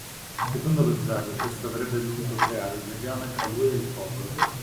Secondo lo Zar questo avrebbe dovuto creare un legame tra lui e il popolo.